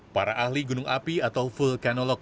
para ahli gunung api atau vulkanolog